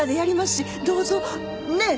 ねえ？